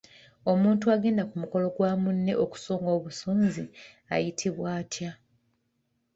Omuntu agenda ku mukolo gwa munne okusunga obusunzi ayitibwa atya?